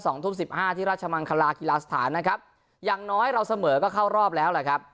สองทุ่มสิบห้าที่ราชมังคลากีฬาสถานนะครับอย่างน้อยเราเสมอก็เข้ารอบแล้วแหละครับ